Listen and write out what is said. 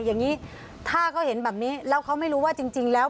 อย่างนี้ถ้าเขาเห็นแบบนี้แล้วเขาไม่รู้ว่าจริงแล้ว